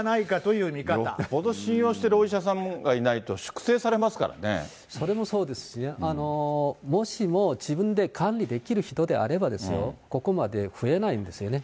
よっぽど信用してるお医者様がいないと、それもそうですし、もしも自分で管理できる人であればですよ、ここまで増えないんですよね。